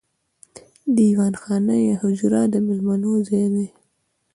دیوان خانه یا حجره د میلمنو ځای دی.